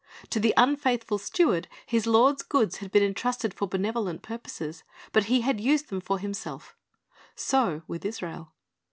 To the unfeithful steward his lord's goods had been entrusted for benevolent purposes; but he had used them for himself So with Israel.